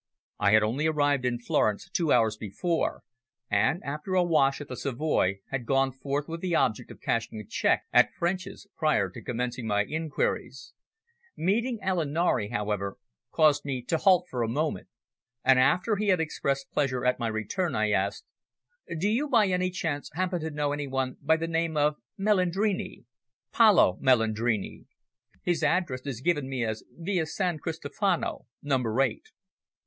I had only arrived in Florence two hours before, and, after a wash at the Savoy, had gone forth with the object of cashing a cheque at French's, prior to commencing my inquiries. Meeting Alinari, however, caused me to halt for a moment, and after he had expressed pleasure at my return, I asked "Do you, by any chance, happen to know any one by the name of Melandrini Paolo Melandrini? His address is given me as Via San Cristofano, number eight."